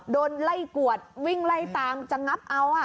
โดนไล่กวดวิ่งไล่ตามจะงับเอา